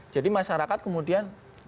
jadi masyarakat kemudian